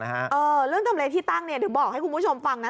เรื่องทำเลที่ตั้งเนี่ยเดี๋ยวบอกให้คุณผู้ชมฟังนะ